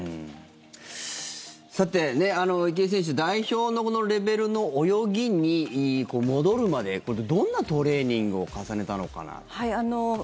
さて、池江選手代表のレベルの泳ぎに戻るまでどんなトレーニングを重ねたのかな。